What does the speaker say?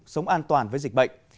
sống an toàn với dịch bệnh